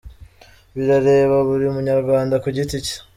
Birareba buri munyarwanda ku giti cye !